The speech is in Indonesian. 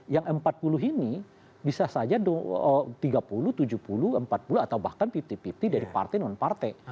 yang empat puluh ini bisa saja tiga puluh tujuh puluh empat puluh atau bahkan lima puluh lima puluh dari partai non partai